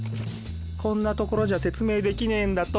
こんな所じゃ説明できねえんだと！